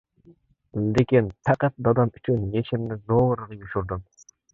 لېكىن پەقەت دادام ئۈچۈن يېشىمنى زورىغا يوشۇردۇم.